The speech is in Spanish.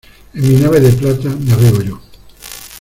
En mi nave de plata navego yo.